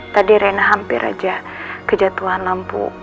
tadi rena hampir aja kejatuhan lampu